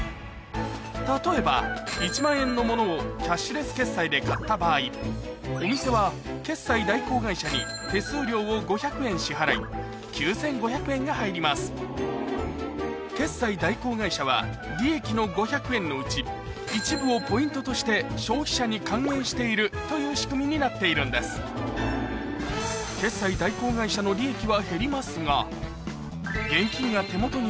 例えば１万円のモノをキャッシュレス決済で買った場合お店は決済代行会社に手数料を５００円支払い９５００円が入ります決済代行会社は利益の５００円のうち一部をポイントとして消費者に還元しているという仕組みになっているんですを買ってくれるという期待ができるのです一方